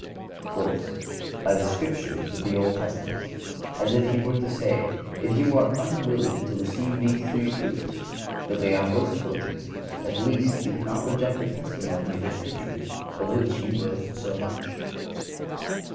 Fourth—By the Scriptures of the Old Testament; as if He were to say, "If you are unwilling to receive these three proofs, though they are most cogent, at least you cannot reject the testimony of the Scriptures, of which you boast so much."